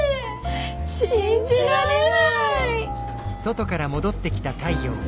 信じられない。